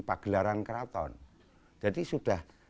pagelaran keraton jadi sudah